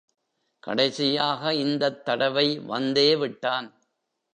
கடைசியாக இந்தத் தடவை வந்தேவிட்டான்.